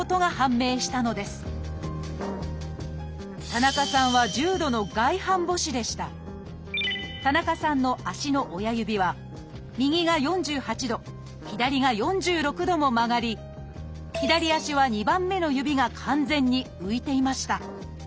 田中さんは田中さんの足の親指は右が４８度左が４６度も曲がり左足は２番目の指が完全に浮いていました。